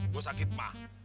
gua sakit mah